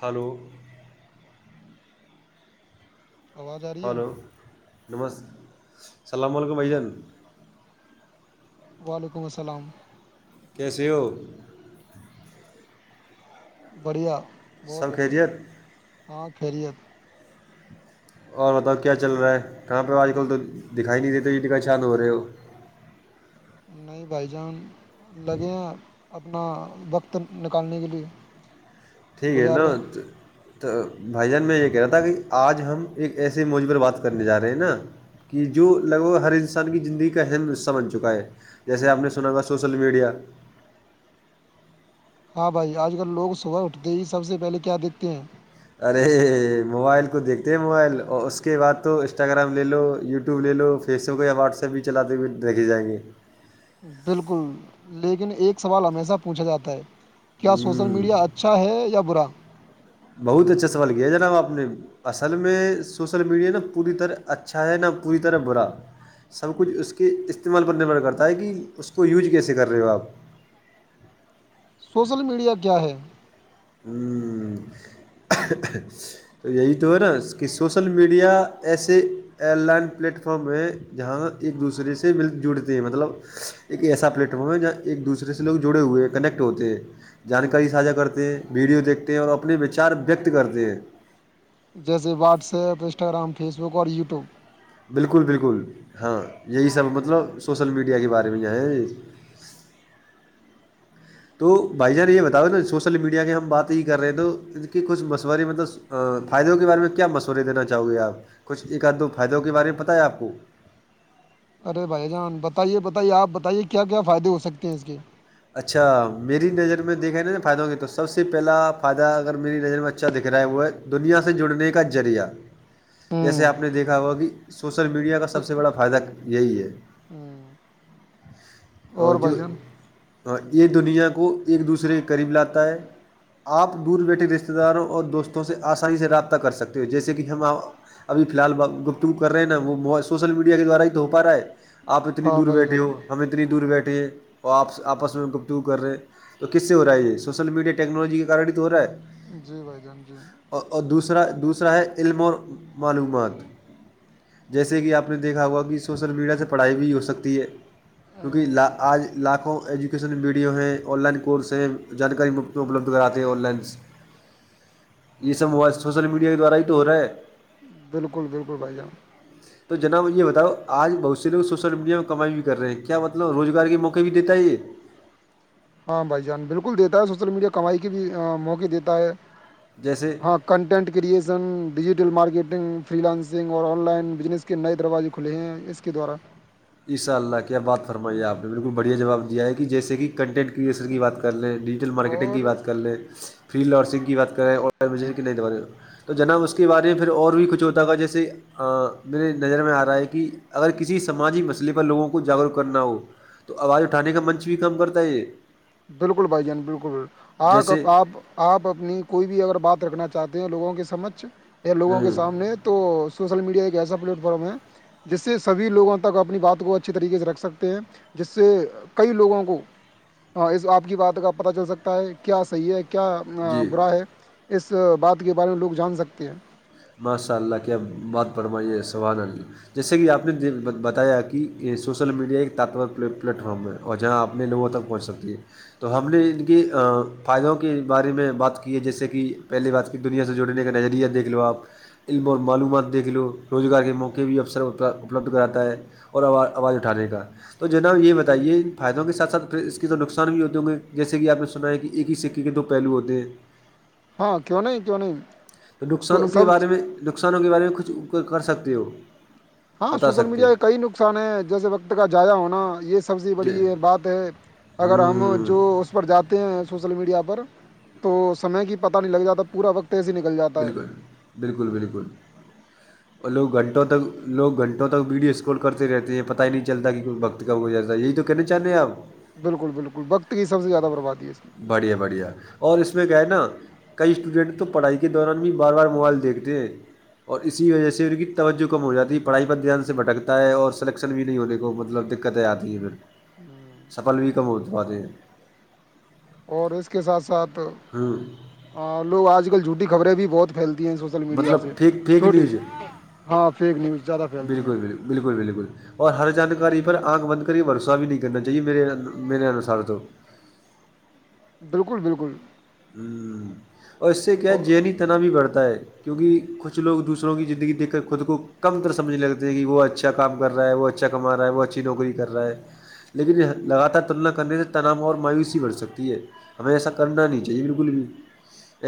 hello آواز آ رہی ہے ہلو نم السلام علیکم بھ جان وعلیکم السلام سیو بڑھیا بہت سب بڑھیا خیریت ہاں خریت اور بتاؤ کیا چل رہا ہے کہاں پہ آج کل تو دکھائی نہیں دیےتے یہ ٹکائیشان ہو رہے ہو نہیں بھائی جان لگے ہیں اپنا وقت نکالنے کے لیے ٹھیک ہے گزار رہے جناب ہیں تو بھائی جان میں یہ کہہ رہا تھا کہ آج ہم ایک ایسے موج پر بات کرنے جا رہے ہیں نا کہ جو لگ بھگ ہر انسان کی زندگی کا اہم حصہ بن چکا ہے جیسے آپ نے سنا تھاا سوشل میڈیا ہاں بھائی آج کل لوگ صبح اٹھتے ہی سب سے پہلے کیا دیکھتے ہیں ارے موبائل کو دیکھتے ہیں موبائل اور اس کے بعد تو انسٹاگرام لے لو یوٹیوب لے لو فیس بک یا واٹس ایپ بھی چلاتے ہوئے دیکے جائیں گے بالکل لیکن ایک سوال ہمیشہ پوچھا جاتا ہے کیا سوشل ہوں میڈیا اچھا اچھا ہے یا برا بہت اچھا سوال کیا جناب آپ نے اصل میں سوسل میڈیا نا پوری طرح اچھا ہے نہ پوری طرح برا سب کچھ اس کے استعمال پر نربھرر کرتا ہے کہ اس کو یوج کیسے کر رہے ہو آپ سوسل میڈیا کیا ہے ہوں تو یہی تو ہے نا کہ سوشل میڈیا ایسے آن لائن پلیٹ فارم ہے جہاں ایک دوسرے سے مل جڑتے ہیں مطلب ایک ایسا پلیٹ فارم ہے جہاں ایک دوسرے سے لوگ جڑے ہوئے کنیکٹ ہوتے ہیں جانکاری ساجھا کرتے ہیں ویڈیو دیکھتے ہیں اور اپنے وچار ویکت کرتے ہیں جیسے WhatsApp Instagram Facebook اور یوٹیوب بالکل بالکل ہاں یہی سب مطلب سوشل میڈیا کے بارے میں یہاں ہے تو بھائی جان یہ بتاؤ نا سوشل میڈیا کی ہم بات ہی کر رہے ہیں تو ان کے کچھ مشورے مطلب فائدوں کے بارے میں کیا مشورے دینا چاہو گے آپ کچھ ایک آد دو فائدوں کے بارے میں پتہ ہے آپ کو ارے بھائی جان بتائیے بتائیے آپ بتائیے کیا کیا فائدے ہو سکتے ہیں اس کے اچھا میری نظر میں دیککھ رہ ہے نا نا فائدوں کی تو سب سے پہلا فائدہ اگر میری نظر میں اچھا دکھ رہا ہے وہ ہے دنیا سے جڑنے کا ذریعہ جیسے آپ نے دیکھا ہوا کہ سوشل میڈیا کا سب سے بڑا ہوں فائدہ یہی ہے ہ اور جو بھائی جان اور ایک دنیا کو ایک دوسرے کے قریب لاتا ہے آپ دور بیٹھے رشتے داروں اور دوستوں سے آسانی سے رابطہ کر سکتے ہو جیسے کہ ہم ابھیی الحال گفتگو کر رہے نا وہ م سوشل میڈیا کے دوارا ہی تو ہو پا رہا ہے آپ اتنی ہاں دور بھائی بیٹھے جان ہو ہم اتنی دور بیٹھے ہیں اور آپ آپس میں گفتگو کر رہے ہیں تو کس سے ہو رہا ہے یہ سوشل میڈیا ٹیکنالوجی کے کار ہی تو ہو رہا ہے جی بھائی جان جی اور دوسرا دوسرا ہے علم اور معلومات جیسے کہ آپ نے دیکھا ہوا کہ سوسل میڈیا سے پڑھائی بھی ہو سکتی ہے کیونکہ آج لاکھوں ایجوکیشن ویڈیو ہیں آن لائن کورس ہیں جانکاری اپلبدھ کراتے ہیں آن لائن یہ سب موائل سوسل میڈیا کے دوارا تو ہو رہا ہے بالکل بالکل بھائی جان جی تو جناب یہ بتاؤ آج بہت سے لوگ سوشل میڈیا میں کمائی بھی کر رہے ہیں کیا مطلب روزگار کے موقع بھی دیتا ہے یہ ہاں بھائی جان بالکل دیتا ہے سوشل میڈیا کمائی کے بھی موقع دیتا ہے جیسے ہاں content creation digital marketing freelancing اور آن لائن بزنس کے نئے دروازے کھلے ہیں اس کے دارا ایشاء اللہ کیا بات فرمائیے آپ نے بالکل بڑھیا جواب دیا ہے کہ جیسے کہ کنٹینٹ کریئسر کی بات کر لیں ڈیجیٹل مارکیٹنگ کی اور بات کر لیں فری لارسنگ کی بات کریں اورن کے نہیں تو جناب اس کے بارے میں پھر اور بھی کچھ ہوتا گا جیسے آ میرے نظر میں آ رہا ہے کہ اگر کسی سماجی مسلہ پر لگوں کو جاگروک کرنا ہو تو آواز اٹھانے کا منچ بھی کم کرتا ہے یہ بالکل بھائی جان بالکل بکل جیسے آپ آپ آپ اپنی کوئی بھی اگر بات رکھنا چاہتے ہیں لوگوں کے سمجھ یا لوگوں کے ہوں سامنے تو سوشل میڈیا ایک ایسا پلیٹ فارم ہے جس سے سبھی لوگوں تک اپنی بات کو اچھی طریقے سے رکھ سکتے ہیں جس سے کئی لوگوں کو ہاں اس آپ کی بات کا پتہ چل سکتا ہے کیا صحیح ہے کیا جی برا ہے اس بات کے بارے میں لوگ جان سکتے ہیں ماشاء اللہ کیا بات پرمائیے سوانہ جیسے کہ آپ نے بتایا کہ سوشل میڈیا ایک تتورر پلیٹفارم ہے اور جہاں اپنے لوگوں تک پہنچ سکتی ہے تو ہم نے ان کی فائدوں کے بارے میں بات کی ہے جیسے کہ پہلی بات دنیا سے جوڑنے کا نظریہ دیکھ لو آپ علم اور ہوں، معلومات دیکھ لو روزگار کے موقع بھی افسر اپلبدھ کراتا ہے اور آواز اٹھانے کا تو جناب یہ بتائیے فائدوں کےاتھ سھ پھر اس کی تو نقصان بھی ہوتی ہوں گے جیسے کہپ نے سنا ہے کہ ایک ہی سک ونک دو پہلو آتے ہیں ہاں کیوں نہیں کیوں نہیں تو نقصانوں کے سب بارے میں نقصانوں کے بارے میں کچھ کر سکتے ہو ہاں بتا سوشل سکتے میڈیا کے ہیں کئی نقصان ہیں جیسے وقت کا جضائیا ہونا یہ سب سے جی بڑی بات ہے اگر ہم ہوں جو پر جاتے ہیں سوشل میڈیا پر تو سمے کی پتا نہیں لگ جاتا پورا وقت سے نکل جا بالکل بالکل بالکل اور لوگ گھنٹوں تک لوگ گھنٹوں تک ویڈیو اسکول کرتے رہتے ہیں پت ہی نہیں چلتا کہ کوئی وقت کم ہو جاتا یہی تو کہنا چاہتے ہیں آپ بالکل بالکل وقت کی سب سے زیادہ بربادی ہے اس میں بڑھیا بڑھیا اور اس میں کہ ہے نا کئی اسٹوڈنٹ تو پڑھائی کے دوران بھی بار بار موبائل دیکھتے ہیں اور اسی وجہ سے ان کی توجہ کم ہو جاتی ہے پڑھائی پر دھیان سے بھکتا ہے اور سلیکشن بھی نہیں ہونے کو مطلب د دقتیں آتی ہیں پھر ہوں، سفل بھی کم ہو پاتے ہے ہیں اور اس کے ساتھ ساتھ ہاں اور لوگ آج کل جھوٹی خبریں بھی بہت پھیلتی ہیں میڈیا مطلب سے فیک فیک چھوٹی نیوز ہے ہاں فیک نیوز زیادہ پھیلتی ہیں بالکل بالکل بالکل بالکل اور ہر جانکاری پر آنکھ بند کر بھروسہ بھی نہیں کرنا چاہیے میرے میرے انوسار تو بالکل بالکل اور اس سے کیا ہے ہو جذینی تنا بھی بڑھتا ہے کیونکہ کچھ لوگ دوسروں کی زندگی دیکھ کر خود کو کم تر سمجھنے لگتے کہ وہ اچھا کام کر رہا ہے وہ اچھا کما رہا ہے وہ اچھی نوکری کر رہا ہے لیکن لگاتار تلنا کرنے سے تناام اور مایوسی بڑھ سکتی ہے ہمیں ایسا کرنا نہیں بالکل بھی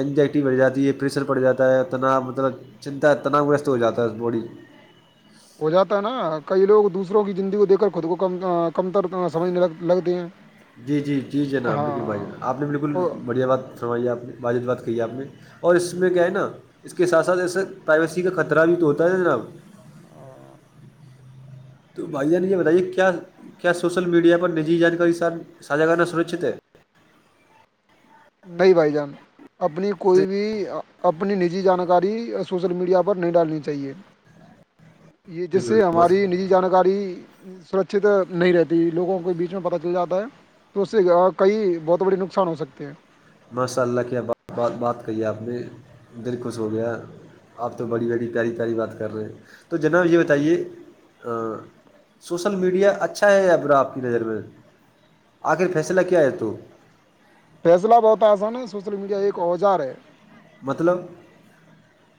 انگزائٹی بڑ جاتی ہے پریشر پڑ جاتا ہے تنا مطلب چنتا تنا و گرست ہو جاتا ہے باڈی ہو جاتا ہے نا کئی لوگ دوسروں کی زندگی کو دیکھ کر خود کو کم کم تر سمجھنے لگ لگتے ہیں جی جی جی جناب بالکل بھائی ہاں جناب آپ نے بالکل او بڑھیا بات فرمائی ہے آپ نے واضد بات کی ہے آپ نے اور اس میں بالکل کیا ہے نا اس کے ساتھ ساتھ ایسے پرائیویسی کا خطرہ بھی تو ہوتا ہے جناب [unintelligible] تو بھائی جان یہ بتائیے کیا کیا سوشل میڈیا پر نجی جانکاری ساھا کرنا سرکچت ہے نہیں بھائی جان اپنی کوئی بھی اپنی نجی جانکاری سوشل میڈیا پر نہیں ڈالنی چاہیے [unintelligible] یہ جس سے ماش- ہماری نجی جانکاری سرکچت نہیں رہتی لوگوں کو بیچ میں پت چل جاتا ہے تو اس سے کئی بہت بڑے نقصان ہو سکتے ہیں ماشاء اللہ کیا بات کہی آپ نے دل خوش ہو گیا آپ تو بڑی بڑی پیاری پیاری بات کر رہے ہیں تو جناب یہ بتائیے سوشل میڈیا اچھا ہے یابرا آپ کی نظر میں آخر فیصلہ کیا ہے تو فیصلہ بہت آسان ہے سوشل میڈیا ایک اوزار ہے مطلب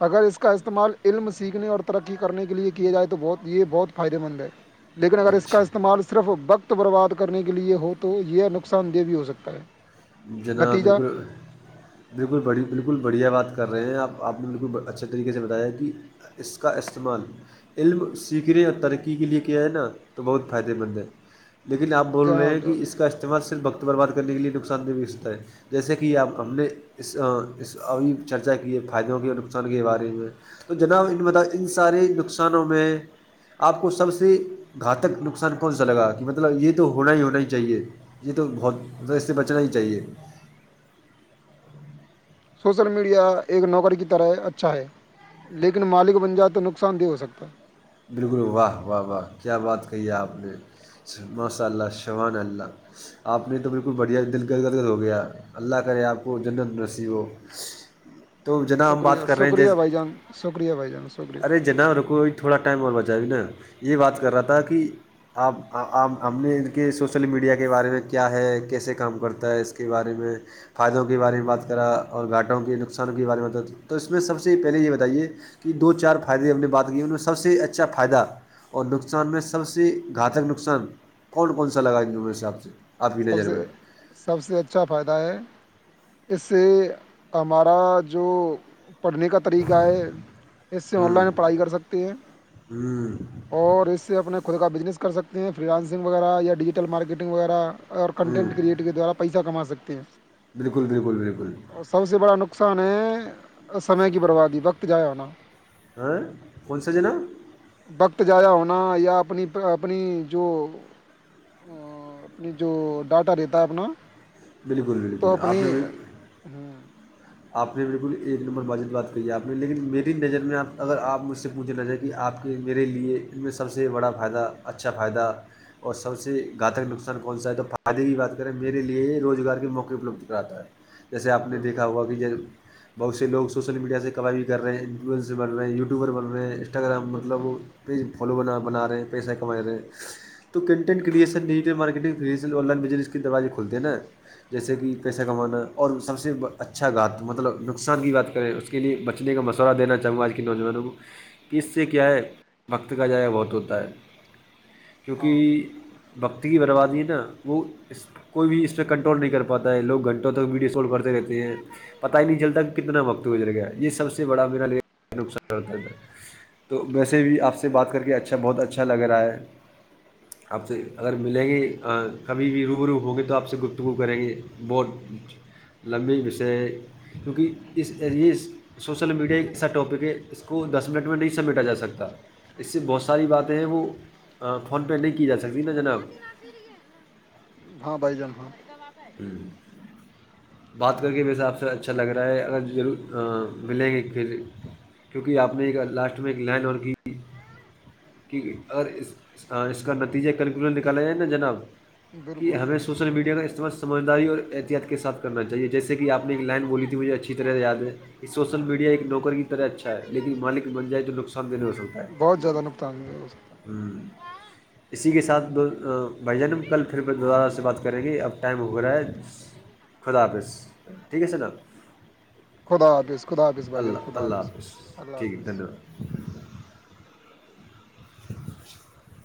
اگر اس کا استعمال علم سیکھنے اور ترقی کرنے کے لئے کیا جائے تو بہ یہ بہت فائدہ مند ہے لیکن اگر اس کا اچھا استعمال صرف وقت برباد کرنے کے لیے ہو تو یہ نقصان دہ بھی ہو سکتا ہے جناب نتیجہ بالکل بالکل بڑھی بالکل بڑھیا بات کر رہے ہیں آپ آپ نے بالکل اچھے طریقے سے بتایا کہ اس کا استعمال علم سیکھنے اور ترقی کے لیے کیا ہے نا تو بہت فائدے مند ہے لن آپ بول رہے جناب ہیں کہ جناب اس کا استعمال صرف بقت برباد کرنے کےے نقصان سند و ہے جیسے کہ آپ ہم نے اس ابھی چرچا کیے فائدوں کے اور نقصان کے بارے میں تو جناب ان م ان سارے نقصانوں میں آپ کو سب سے گھاتک نقصان کون سا لگا کہ مطلب یہ تو ہونا ہی ہونا ہی چاہیے یہ تو بہتذ اس سے بچنا ہی چاہیے سوشل میڈیا ایک نوکر کی طرح اچھا ہے لیکن مالک بن جائے تو نقصان دہ ہو سکتا ہے بالکل واہ واہ واہ کیا بات کہی ہے آپ نے ماشاء اللہ شبان اللہ آپ نے تو بالکل بڑھیا دل گد گرگر ہو گیا اللہ کرے آپ کو جنت نسی وہ [inaudible] شکریہ شکریہ بھائی جان شکریہ بھائی جان شکریہ نہا رکو تھوڑا ٹائم اور بچا بھی نا یہ بات کر رہا تھا کہ آپ آپ ہم نے ان کے سوشل میڈیا کے بارے میں کیا ہے کیسے کام کرتا ہے اس کے بارے میں فائدوں کے بارے میں بات کرا اور گھاٹوں کے نقصانوں کے بارے میں ب تو اس میں سب سے پہلے یہ بتائیے کہ دو چار فائدے اپ نے بات کیئے ان سے سب سے اچھا فائدہ اور نقصان میں سب سے گھاتک نقصان کون کون سا لگائیں گے میرےس آپ سے آپ کی سب نظر سے میں سب سے اچھا فائدہ ہے اس سے ہمارا جو پڑھنے کا طریقہ ہے اس سے آن ہوں لائن پڑھائی کر سکتے ہیں ہوں اور اس سے اپنے خود کا بزنس کر سکتے ہیں فرینانسنگ وغیرہ یا ڈیجیٹل مارکیٹنگ وغیرہ اور ہوں کنٹینٹ کریئٹ کے دوارا پیسہ کما سکتے ہیں بالکل بالکل بالکل اور سب سے بڑا نقصان ہے سمے کی بربادی وقت جائے ہونا آ کون سا جناا وقت جضایا ہونا یا اپنی اپنی جو ا اپنی جو ڈاٹا رہتا ہے اپنا بالکل تو بالکل اپنی آپ نے ہوں آپ نے بالکل ایک نمبر باجت بات کی ہے آپ نے لیکن میری نظر میں آپ اگر آپ مجھ سے پوچھا نہ جائے کہ آپ کہ میرے لیے ان میں سب سے بڑا فائدہ اچھا فائدہ اور سب سے گھاتک نقصان کون سا ہے تو فائدے کی بات کریں میرے لیے یہ روزگار کے موقے اپلبدھ کراتا ہے جیسے آپ نے بالکل دیکھا ہوا بہت سے لوگ سوشل میڈیا سے کمائی بھی کر رہے ہیں انفلوئنس بن رہ ہیں یوٹیوبر بن رہ ہیں انسٹاگرام بالکل مطلب وہ پیج فالو بنا بنا رہے ہیں پیسہ کما رہے ہیں تو کنٹینٹ کریشن نہیں marketing creation online business کے دروجے کھلتے نا جیسے کہ پیسہ کمانا اور سب سے اچھا اچھاات مطلب نقصان کی بات کریں اس کے لیے بچنے کا مشورہ دینا چاہوں گا آج کے نوجوانوں کو کہ اس سے کیا ہے وقت کا جائے بہت ہوتا ہے ہاں کیونکہ بکتی کی بربادی نا وہ اس کوئی بھی اس پہ کنٹرول نہیں کر پاتا ہے لوگ گھنٹوں تک ویڈیو کال کرتے رہتے ہیں پتا ہی نہیں چلتا کتنا وقت گ جل گیا یہ سب سے بڑا میرا لی نقصان ہوتا تھا تو ویسے بھی آپ سے بات کر کے اچھا بہت اچھا لگ رہا ہے آپ سے اگر ملیں گے کبھی بھی روبرو ہوں گے تو آپ سے گفتگو کریں گے بہت لمبی وسے کیونکہ اس ایریے سوسل میڈیا ایک ایسا ٹاپک ہے اس کو دس منٹ میں نہیں سمیٹا جا سکتا اس سے بہت ساری باتیں ہیں وہ فون پہ نہیں کی جا سکتی نا جناب ہاں بھائی جان ہاں ہوں بات کر کے ویسے آپ سے اچھا لگ رہا ہے اگر ملیں گے پھر کیونکہ آپ نے ایک لاسٹ میں ایک لینڈ اور کی کہ اور اس کا نتیجہ کنکلوژن نکالا جائے نا جناب کہ بالکل ہمیں سوشل میڈیا کا استعمال سمجھداری اور احتیاط کے ساتھ کر چاہیے جیسے کہ آپ نے ایک لائن بولی ت مجھے اچھی طرح یاد ہے یہ سوشل میڈیا ایک نوکر کی طرح اچھا ہے لیکن مالک بن جائے تو نقصان دہ نہیں ہو سکتا ہے زدہ نکتاان ہے ہوں اسی کے ساتھ دو بھائی جان کل پھر دوبارہ سے بات کریں گے اب ٹائم ہو رہا ہے خدا حافظ ٹھیک ہے س نب خوددا حاظ خدا حظ بھائیان اللہ خوددا اللہ حظ حافظ اللہ ٹھیک ہے حافظ دھنیہ واد [unintelligible]